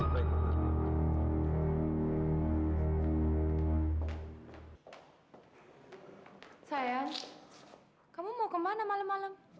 sayang kamu mau kemana malem malem